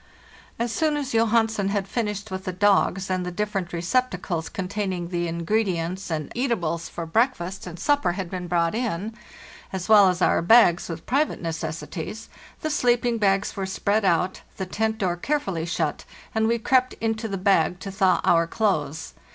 As soon as Johansen had finished with the dogs, and the different receptacles containing the ingredients and eatables for breakfast and supper had been brought in, as well as our bags with private necessities, the sleeping bags were spread out, the tent door carefully shut, and we crept into the bag to thaw our clothes.